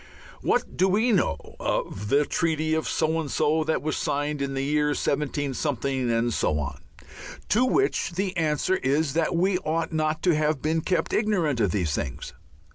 What do we know of the treaty of so and so that was signed in the year seventeen something? and so on. To which the answer is that we ought not to have been kept ignorant of these things.